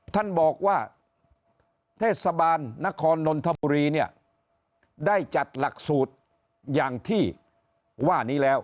ท่านบอกว่าเทศบาลนครนนทบุรีเนี่ยได้จัดหลักสูตรอย่างที่ว่านี้แล้ว